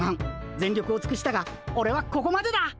全力を尽くしたがオレはここまでだ。